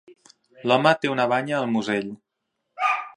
L"home té una banya al musell.